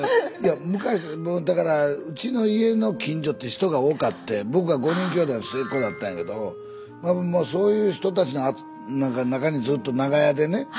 いや昔もうだからうちの家の近所って人が多かって僕は５人きょうだいの末っ子だったんやけどもうそういう人たちの中にずっと長屋でね。